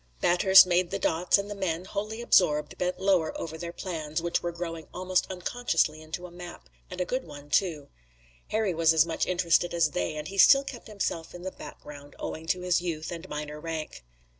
Bathurst made the dots and the men, wholly absorbed, bent lower over their plans, which were growing almost unconsciously into a map, and a good one too. Harry was as much interested as they, and he still kept himself in the background, owing to his youth and minor rank.